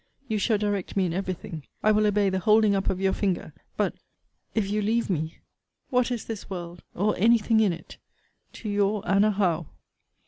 You shall direct me in every thing. I will obey the holding up of your finger. But, if you leave me what is the world, or any thing in it, to your ANNA HOWE?